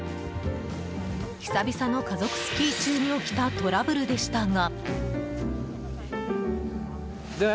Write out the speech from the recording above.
久々の家族スキー中に起きたトラブルでしたが。